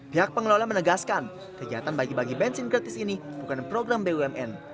pihak pengelola menegaskan kegiatan bagi bagi bensin gratis ini bukan program bumn